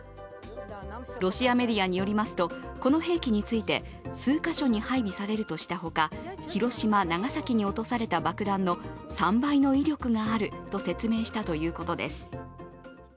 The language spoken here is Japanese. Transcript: ロシアメディアによりますとこの兵器について数か所に配備されるとしたほか、広島・長崎に落とされた爆弾の３倍の威力があると説明したということです。